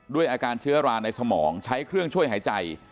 ด้วยอาการเชื้อราในสมองใช้เครื่องช่วยหายใจ